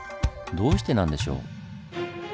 どうしてなんでしょう？